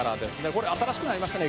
「これ新しくなりましたね